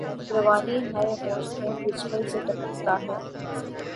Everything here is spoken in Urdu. روانی ہاۓ موج خون بسمل سے ٹپکتا ہے